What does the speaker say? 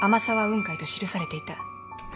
雲海と記されていた。